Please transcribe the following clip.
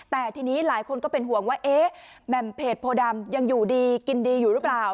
แต่ทีนี้หลายคนก็เป็นห่วงว่าเอ๊ะแหม่มเพจโพดำยังอยู่ดีกินดีอยู่หรือเปล่า